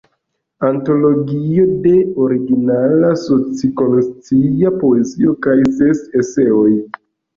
Antologio de originala soci-konscia poezio kaj ses eseoj.